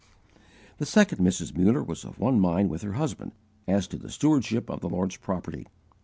The second Mrs. Muller was of one mind with her husband as to the stewardship of the Lord's property.